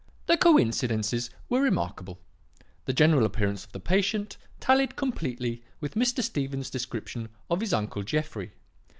"The coincidences were remarkable. The general appearance of the patient tallied completely with Mr. Stephen's description of his uncle Jeffrey.